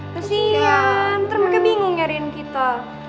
kasihan ntar mereka bingung nyariin kita